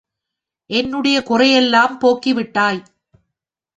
என்னுடைய குறையையெல்லாம் போக்கிவிட்டாய்.